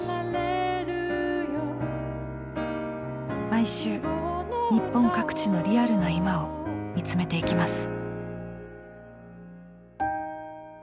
毎週日本各地のリアルな今を見つめていきます。